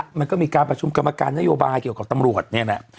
คนมันก็มีการประชุมกรรมการนโยบาลเกี่ยวกับตำรวจ